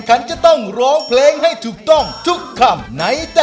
ข้อพาดิน